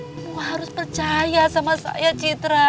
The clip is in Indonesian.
kamu harus percaya sama saya citra